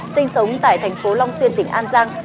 sinh sống tại thành phố long xuyên tỉnh an giang